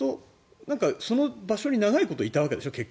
その場所に長いこといたわけでしょ、結局。